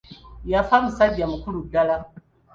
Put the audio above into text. Yafa musajja mukulu ddala.